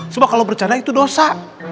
sebab kalau bercanda itu dosa